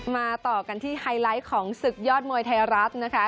มาต่อกันที่ไฮไลท์ของศึกยอดมวยไทยรัฐนะคะ